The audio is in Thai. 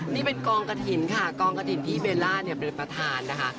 นี่เป็นกองกระถิ่นค่ะกองกระถิ่นที่เบลล่าเนี่ยเป็นประธานนะคะ